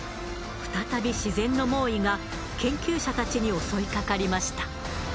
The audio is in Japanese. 再び自然の猛威が研究者たちに襲いかかりました。